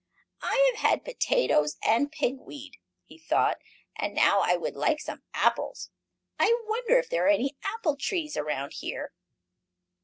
"I have had potatoes and pig weed," he thought, "and now I would like some apples. I wonder if there are any apple trees around here?"